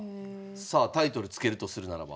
さあタイトル付けるとするならば？